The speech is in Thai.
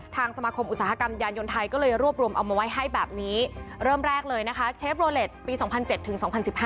ทางสมาคมอุตสาหกรรมยานยนต์ไทยก็เลยรวบรวมเอามาไว้ให้แบบนี้เริ่มแรกเลยนะคะเชฟโลเล็ตปี๒๐๐๗ถึง๒๐๑๕